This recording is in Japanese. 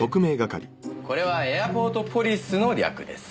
これはエアポートポリスの略です。